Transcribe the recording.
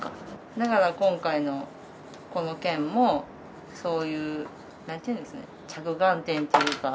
だから今回のこの件も、そういう、なんて言うんですかね、着眼点というか。